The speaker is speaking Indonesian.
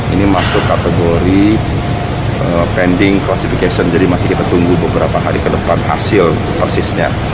ini masuk kategori pending classification jadi masih kita tunggu beberapa hari ke depan hasil persisnya